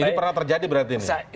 ini pernah terjadi berarti